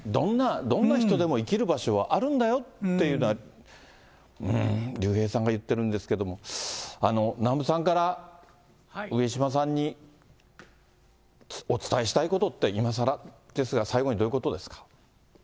どんな人でも生きる場所はあるんだよっていうのは、竜兵さんが言ってるんですけれども、南部さんから上島さんに、お伝えしたいことって、いまさらですが、最後にどういうことですか。